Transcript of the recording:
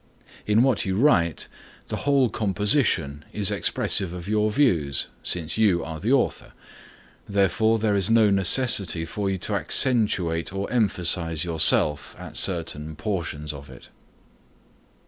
In what you write, the whole composition is expressive of your views, since you are the author, therefore, there is no necessity for you to accentuate or emphasize yourself at certain portions of it.